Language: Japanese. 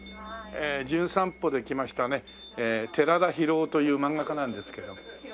『じゅん散歩』で来ましたね寺田ヒロオという漫画家なんですけども。